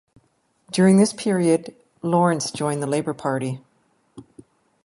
During this period, Lawrence joined the Labor Party.